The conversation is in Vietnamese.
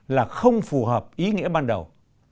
là không phù hợp ý nghĩa ban đầu